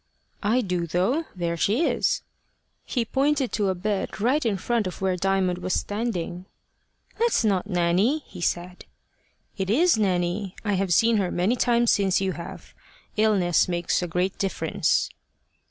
"I do, though. There she is." He pointed to a bed right in front of where Diamond was standing. "That's not Nanny," he said. "It is Nanny. I have seen her many times since you have. Illness makes a great difference."